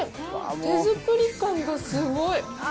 手作り感がすごい。